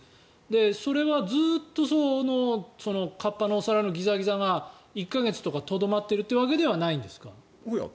それはずっとその河童のお皿のギザギザが１か月とかとどまってるわけじゃないんですか。